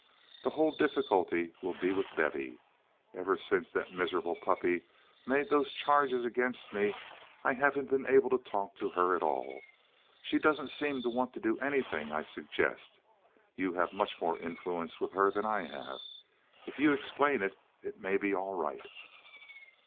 The whole difficulty will be with Bevy. Ever since that miserable puppy made those charges against me I haven't been able to talk to her at all. She doesn't seem to want to do anything I suggest. You have much more influence with her than I have. If you explain, it may be all right."